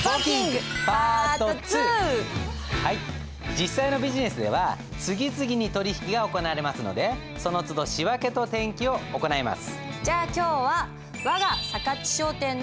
実際のビジネスでは次々に取引が行われますのでそのつど仕訳と転記を行います。